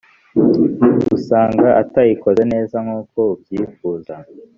gusanga atayikoze neza nk uko ubyifuza